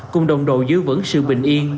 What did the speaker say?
cùng đồng đội giữ vững sự bình yên